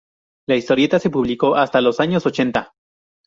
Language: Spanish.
La historieta se publicó hasta los años ochenta.